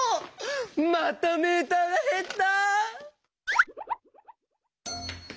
またメーターがへった！